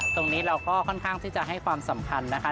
ตรงนี้เราก็ค่อนข้างที่จะให้ความสำคัญนะคะ